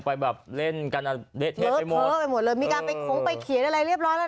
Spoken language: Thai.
ไปแบบเล่นกันไปหมดไปหมดเลยมีการไปขงไปเขียนอะไรเรียบร้อยแล้วนะ